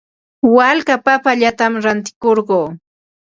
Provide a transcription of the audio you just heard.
Walka papallatam rantirquu.